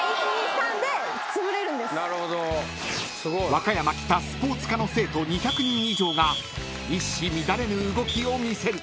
［和歌山北スポーツ科の生徒２００人以上が一糸乱れぬ動きを見せる］